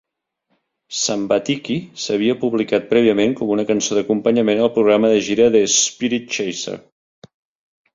"Sambatiki" s'havia publicat prèviament com una cançó d'acompanyament al programa de gira de "Spiritchaser".